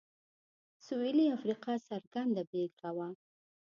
سوېلي افریقا څرګنده بېلګه وه.